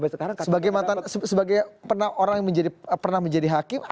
sebagai orang yang pernah menjadi hakim